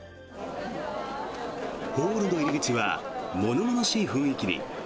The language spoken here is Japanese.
ホールの入り口は物々しい雰囲気に。